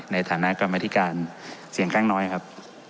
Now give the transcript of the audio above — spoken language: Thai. ในฐานะกรรมธิการเสียงข้างน้อยครับ